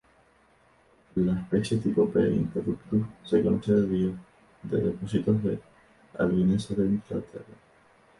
La especie tipo, "P. interruptus" se conoce de depósitos del Albiense de Inglaterra.